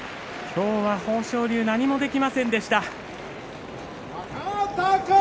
今日は豊昇龍何もできませんでした。